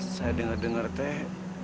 saya denger dengar teh